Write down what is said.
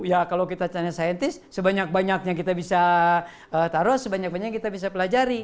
ya kalau kita tanya saintis sebanyak banyaknya kita bisa taruh sebanyak banyak yang kita bisa pelajari